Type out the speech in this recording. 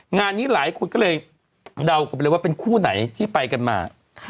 งานนี้หลายคนก็เลยเดากันไปเลยว่าเป็นคู่ไหนที่ไปกันมา